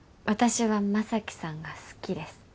私は将貴さんが好きです。